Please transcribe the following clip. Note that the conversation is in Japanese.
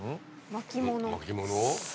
巻物？